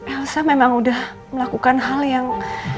elsa memang udah melakukan hal yang